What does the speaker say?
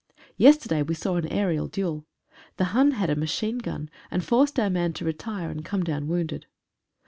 Yesterday we saw an aerial duel. The Hun had a machine gun, and forced our man to retire and come down wounded.